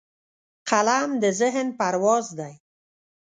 قلم د ذهن پرواز دی